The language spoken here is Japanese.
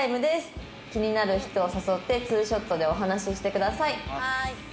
「気になる人を誘って２ショットでお話ししてください」